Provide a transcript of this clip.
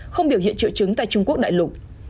không biểu hiện triệu chứng tại trung quốc đại lục